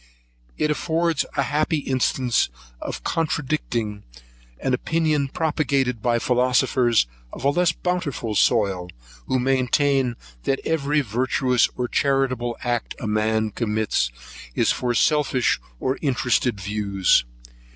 It affords a happy instance of contradicting an opinion propagated by philosophers of a less bountiful soil, who maintain that every virtuous or charitable act a man commits, is from selfish and interrested views.